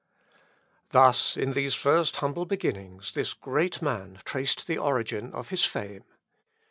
Thus, in these first humble beginnings this great man traced the origin of his fame.